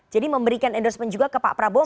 jadi memberikan endorsement juga ke pak prabowo